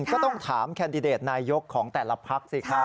ก็ต้องถามแคนดิเดตนายกของแต่ละพักสิครับ